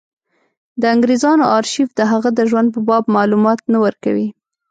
د انګرېزانو ارشیف د هغه د ژوند په باب معلومات نه ورکوي.